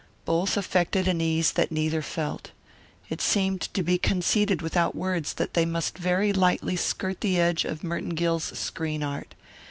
Both affected an ease that neither felt. It seemed to be conceded without words that they must very lightly skirt the edges of Merton Gill's screen art.